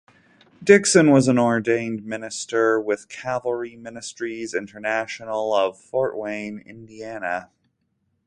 Dixon was an ordained minister with Calvary Ministries International of Fort Wayne, Indiana.